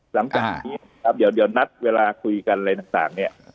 หลังจากนี้ครับเดี๋ยวนัดเวลาคุยกันอะไรต่างเนี่ย